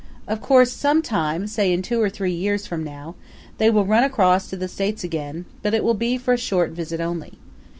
Of course some time, say in two or three years from now, they will run across to the States again, but it will be for a short visit only.